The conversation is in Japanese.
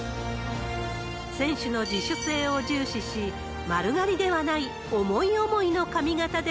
選手の自主性を重視し、丸刈りではない思い思いの髪形で、